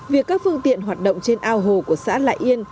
việc các phương tiện hoạt động trên ao hồ của xã lại yên